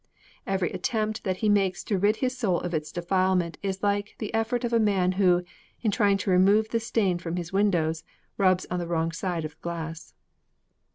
Every attempt that he makes to rid his soul of its defilement is like the effort of a man who, in trying to remove the stain from his window, rubs on the wrong side of the glass.